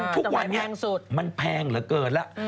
ทุกวันนี้มันแพงเหลือเกินแล้ว